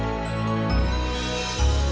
kalian berdua ikut saya ke ruang guru